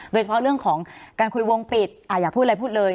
โดยเฉพาะเรื่องของการคุยวงปิดอยากพูดอะไรพูดเลย